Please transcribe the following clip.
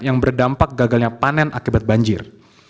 yang berdampak gagalnya panen akibat banjir